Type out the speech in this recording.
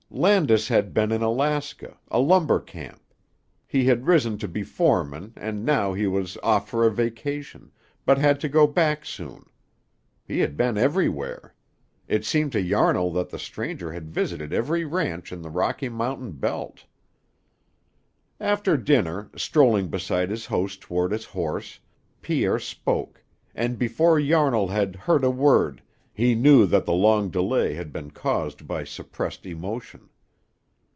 Landis had been in Alaska a lumber camp. He had risen to be foreman and now he was off for a vacation, but had to go back soon. He had been everywhere. It seemed to Yarnall that the stranger had visited every ranch in the Rocky Mountain belt. After dinner, strolling beside his host toward his horse, Pierre spoke, and before Yarnall had heard a word he knew that the long delay had been caused by suppressed emotion.